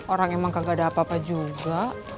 orang emang kagak ada apa apa juga